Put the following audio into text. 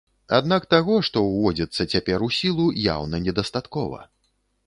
Аднак таго, што ўводзіцца цяпер у сілу, яўна недастаткова.